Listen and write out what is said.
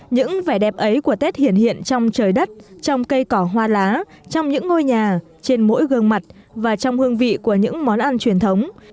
những vẻ đẹp ấy của tết hiện hiện trong trời đất trong cây cỏ hoa lá trong những ngôi nhà trên mỗi gương mặt và trong hương vị của những món ăn truyền thống